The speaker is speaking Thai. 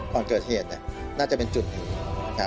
ก่อนเกิดเหตุน่าจะเป็นจุดหนึ่ง